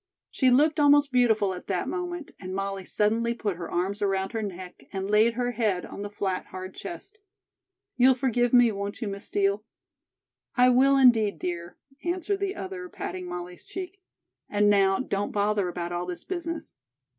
She looked almost beautiful at that moment, and Molly suddenly put her arms around her neck and laid her head on the flat, hard chest. "You'll forgive me, won't you, Miss Steel?" "I will, indeed, dear," answered the other, patting Molly's cheek. "And now, don't bother about all this business.